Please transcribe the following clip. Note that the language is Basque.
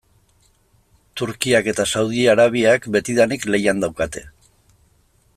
Turkiak eta Saudi Arabiak betidanik lehian daukate.